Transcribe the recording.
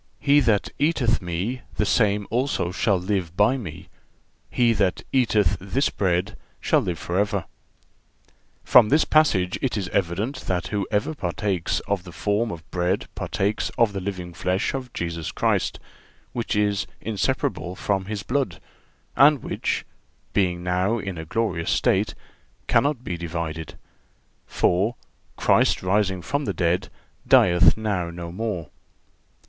He that eateth Me the same also shall live by Me. He that eateth this bread shall live forever."(377) From this passage it is evident that whoever partakes of the form of bread partakes of the living flesh of Jesus Christ, which is inseparable from His blood, and which, being now in a glorious state, cannot be divided; for, "Christ rising from the dead, dieth now no more."